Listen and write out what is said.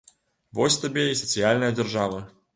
Вось табе і сацыяльная дзяржава.